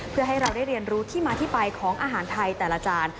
เพื่อให้เราได้เรียนรู้ที่มาที่ไปของอาหารไทยแต่ละจาน